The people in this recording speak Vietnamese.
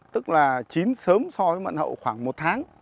tức là chín sớm so với mận hậu khoảng một tháng